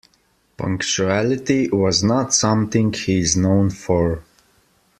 Punctuality was not something he is known for.